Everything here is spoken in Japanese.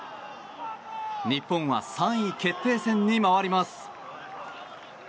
日本は３位決定戦に回ります。